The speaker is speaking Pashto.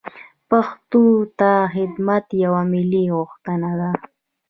پښتو ته خدمت یوه ملي غوښتنه ده.